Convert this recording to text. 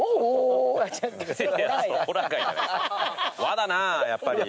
和だなやっぱり。